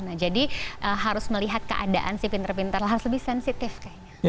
nah jadi harus melihat keadaan sih pinter pinter harus lebih sensitif kayaknya